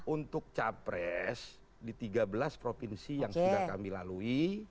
untuk capres di tiga belas provinsi yang sudah kami lalui